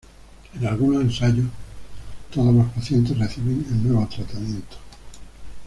En algunos ensayos, todos los pacientes reciben el nuevo tratamiento.